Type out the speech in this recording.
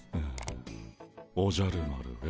「おじゃる丸へ」